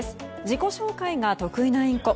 自己紹介が得意なインコ。